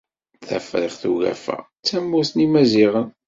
Tafriqt ugafa d tamurt n imaziɣen.